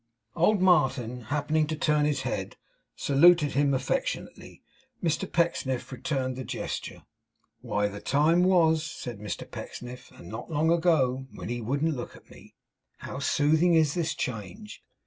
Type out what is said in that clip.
Old Martin happening to turn his head, saluted him affectionately. Mr Pecksniff returned the gesture. 'Why, the time was,' said Mr Pecksniff; 'and not long ago, when he wouldn't look at me! How soothing is this change.